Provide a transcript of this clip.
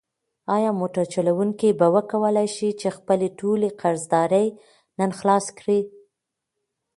ایا موټر چلونکی به وکولی شي چې خپلې ټولې قرضدارۍ نن خلاصې کړي؟